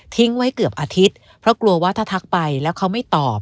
ไว้เกือบอาทิตย์เพราะกลัวว่าถ้าทักไปแล้วเขาไม่ตอบ